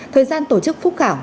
thời gian tổ chức phúc khảo